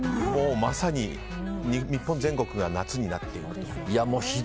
まさに、日本全国が夏になっている。